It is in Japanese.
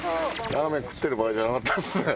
ラーメン食ってる場合じゃなかったっすね